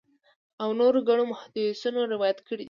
او نورو ګڼو محدِّثينو روايت کړی دی